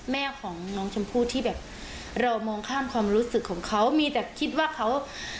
แม่ของน้องชมพู่ที่แบบเรามองข้ามความรู้สึกของเขามีแต่คิดว่าเขา